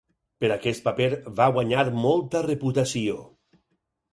Per aquest paper, va guanyar molta reputació.